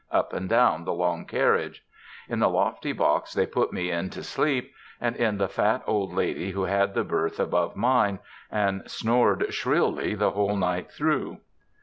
up and down the long carriages; in the lofty box they put me in to sleep; and in the fat old lady who had the berth under mine, and snored shrilly the whole night through.